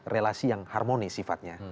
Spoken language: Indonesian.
relasi yang harmonis sifatnya